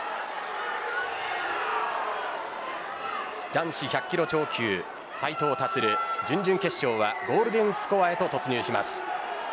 男子１００キロ超級、斉藤立準々決勝はゴールデンスコアへと突入します。